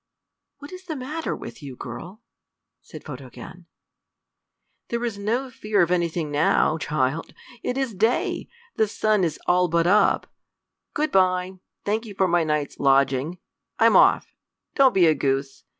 "What is the matter with you, girl?" said Photogen. "There is no fear of anything now, child. It is day. The sun is all but up. Good by. Thank you for my night's lodging. I'm off. Don't be a goose.